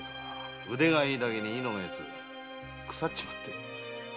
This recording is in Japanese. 腕がいいだけに猪之のやつくさっちまって。